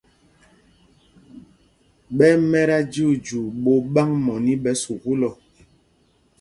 Ɓɛ́ ɛ́ mɛt ajyuujyuu ɓot ɓâŋ mɔní ɓɛ sukûl ɔ.